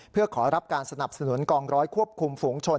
เพื่อขอรับการสนับสนุนกองร้อยควบคุมฝูงชน